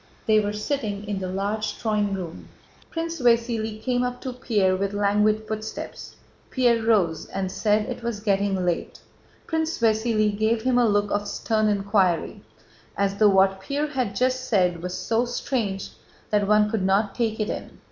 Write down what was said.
They were sitting in the large drawing room. Prince Vasíli came up to Pierre with languid footsteps. Pierre rose and said it was getting late. Prince Vasíli gave him a look of stern inquiry, as though what Pierre had just said was so strange that one could not take it in.